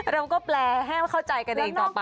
เราก็แปลให้เข้าใจกันเองต่อไป